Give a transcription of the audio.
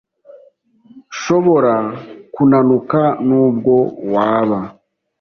shobora kunanuka Nubwo waba